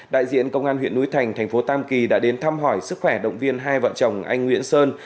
đại diện công an huyện núi thành thành phố tam kỳ đã đến thăm hỏi sức khỏe động viên hai vợ chồng anh nguyễn sơn